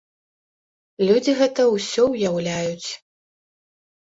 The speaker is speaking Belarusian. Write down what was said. Людзі гэта ўсё ўяўляюць.